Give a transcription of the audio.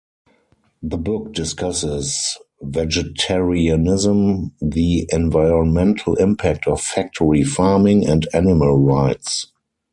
The book discusses vegetarianism, the environmental impact of factory farming and animal rights.